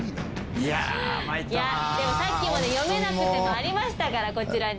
いやでもさっきまで読めなくてもありましたからこちらに。